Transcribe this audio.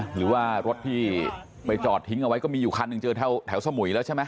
หรือว่ารถที่ไปจอดทิ้งเอาไว้ก็มีอยู่คันหนึ่งเจอแถวสมุยแล้วใช่ไหม